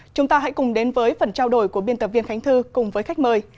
chúng ta hãy cùng đến với phần trao đổi của biên tập viên khánh thư cùng với khách mời